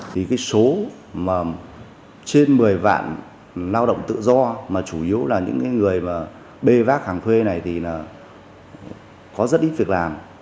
thì cái số mà trên một mươi vạn lao động tự do mà chủ yếu là những người mà bê vác hàng thuê này thì là có rất ít việc làm